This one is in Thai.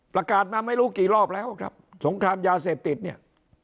ประกาศมาไม่รู้กี่รอบแล้วครับสงครามยาเสพติดเนี่ย